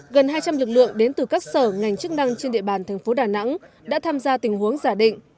gần hai trăm linh lực lượng đến từ các sở ngành chức năng trên địa bàn thành phố đà nẵng đã tham gia tình huống giả định